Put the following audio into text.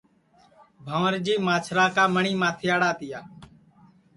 بھنٚورجی مانٚچھرا کا مٹؔی ماتھیڑا تِیا